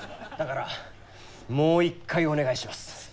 だからもう一回お願いします。